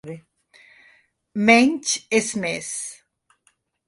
Menys es més.